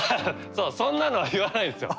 そんなのは言わないんですよ。